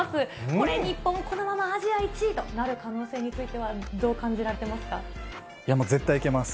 これ、日本このままアジア１位となる可能性については、どう感じられてもう絶対いけます。